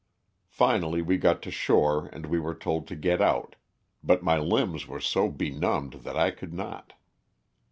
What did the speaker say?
Finally we got to shore and we were told to get out, but my limbs were so benumbed that I could not.